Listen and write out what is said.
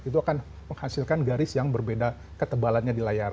itu akan menghasilkan garis yang berbeda ketebalannya di layar